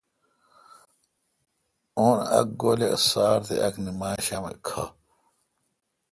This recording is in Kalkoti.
اُن ا ک گولے°سار تےاک نمشام کھہ